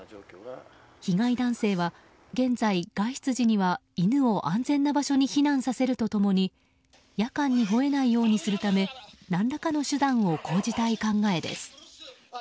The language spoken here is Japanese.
被害男性は、現在外出時には犬を安全な場所に避難させるとともに夜間にほえないようにするため何らかの手段を講じたい考えです。